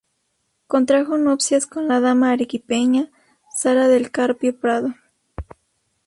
Contrajo nupcias con la dama arequipeña "Sara Del Carpio Prado".